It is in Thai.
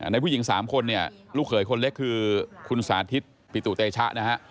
ในผู้หญิง๓คนเนี่ยลูกเขยคนเล็กคือคุณสาธิตปิตุเตชะนะฮะ